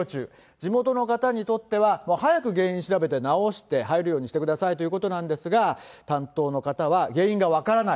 地元の方にとっては早く原因調べて、直して入れるようにしてくださいということなんですが、担当の方は原因が分からない。